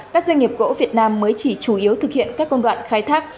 các doanh nghiệp gỗ việt nam mới chỉ chủ yếu thực hiện các công đoạn khai thác